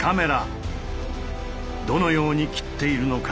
どのように切っているのか